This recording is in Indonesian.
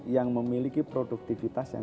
yang memiliki produktivitas yang